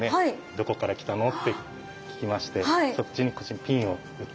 「どこから来たの？」って聞きましてこっちにピンを打って頂く。